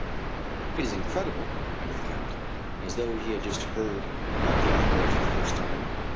"It is incredible!" added the Count, as though he had just heard about the outrage for the first time.